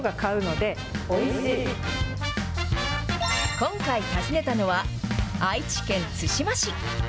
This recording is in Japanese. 今回訪ねたのは、愛知県津島市。